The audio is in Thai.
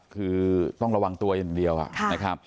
คือต้องระวังตัวอย่างเดียวนะครับ